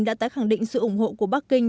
đã tái khẳng định sự ủng hộ của bắc kinh